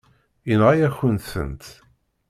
Yenɣa-yakent-tent.